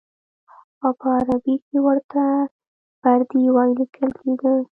او په عربي کې ورته بردي وایي لیکل کېده.